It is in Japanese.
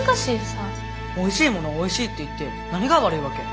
おいしいものをおいしいって言って何が悪いわけ？